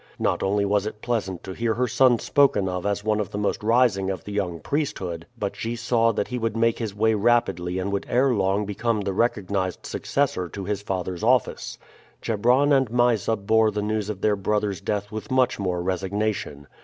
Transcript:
Not only was it pleasant to hear her son spoken of as one of the most rising of the young priesthood, but she saw that he would make his way rapidly and would ere long become the recognized successor to his father's office. Chebron and Mysa bore the news of their brother's death with much more resignation.